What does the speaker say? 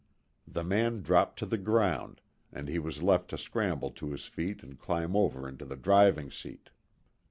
The man dropped to the ground, and he was left to scramble to his feet and climb over into the driving seat.